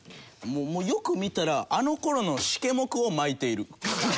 もうよく見たらあの頃のシケモクを巻いている。